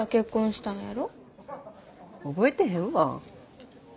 覚えてへんわ。